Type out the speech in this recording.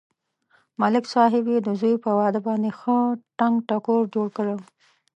ملک صاحب یې د زوی په واده باندې ښه ټنگ ټکور جوړ کړی و.